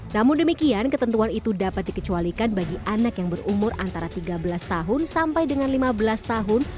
namun demikian ketentuan itu dapat dikecualikan bagi anak yang berumur antara tiga belas tahun sampai dengan lima belas tahun